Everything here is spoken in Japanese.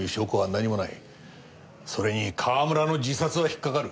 それに川村の自殺は引っかかる。